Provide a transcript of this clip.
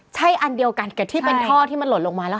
ใช่อันเดียวกันกับที่เป็นท่อที่มันหล่นลงมาแล้ว